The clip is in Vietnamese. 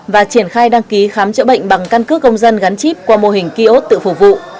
và triển khai đăng ký khám chữa bệnh bằng căn cứ công dân gắn chip qua mô hình ký ốt tự phục vụ